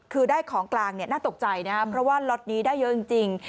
คือได้ของกลางน่าตกใจนะครับเพราะว่าล็อตนี้ได้เยอะจริง